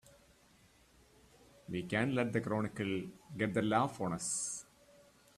We can't let the Chronicle get the laugh on us!